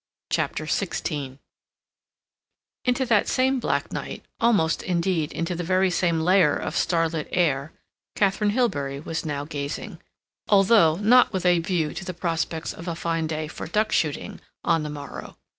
CHAPTER XVI Into that same black night, almost, indeed, into the very same layer of starlit air, Katharine Hilbery was now gazing, although not with a view to the prospects of a fine day for duck shooting on the morrow.